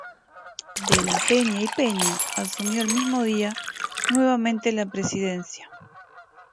De la Peña y Peña asumió el mismo día nuevamente la presidencia.